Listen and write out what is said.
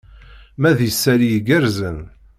Wa d isali igerrzen.